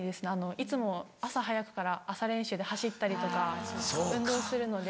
いつも朝早くから朝練習で走ったりとか運動するので。